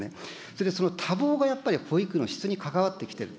それでその多忙がやっぱり、保育の質に関わってきている。